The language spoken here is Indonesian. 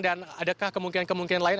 dan adakah kemungkinan kemungkinan lain